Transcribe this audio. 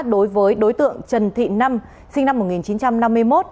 đối với đối tượng trần thị năm sinh năm một nghìn chín trăm năm mươi một